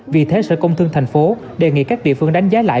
vì thế sở công thương tp hcm đề nghị các địa phương đánh giá lại